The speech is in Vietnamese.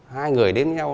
hai người đến với nhau